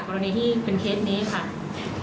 กรณีที่เป็นเคสนี้ค่ะ